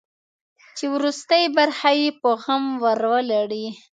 چې وروستۍ برخه یې په غم ور ولړي.